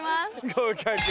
合格。